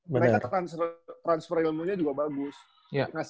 mereka transfer ilmunya juga bagus